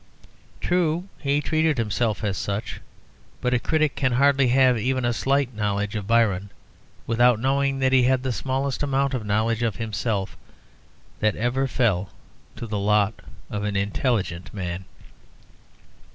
True, he treated himself as such, but a critic can hardly have even a slight knowledge of Byron without knowing that he had the smallest amount of knowledge of himself that ever fell to the lot of an intelligent man.